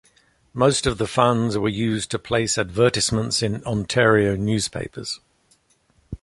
Most of the funds were used to place advertisements in Ontario newspapers.